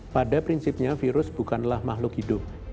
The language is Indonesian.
pada prinsipnya virus bukanlah makhluk hidup